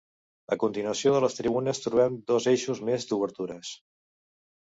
A continuació de les tribunes trobem dos eixos més d'obertures.